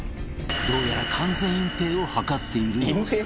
どうやら完全隠蔽を図っている様子